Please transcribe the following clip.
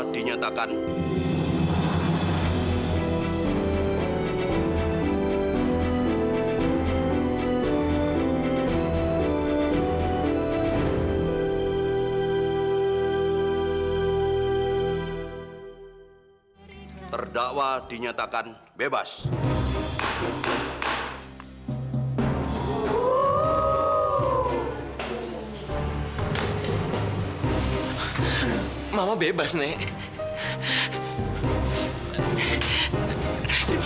satria mama bebas satria